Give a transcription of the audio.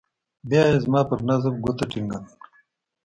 بيا يې زما پر نبض گوته ټينګه کړه.